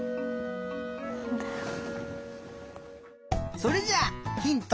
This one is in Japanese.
それじゃあヒント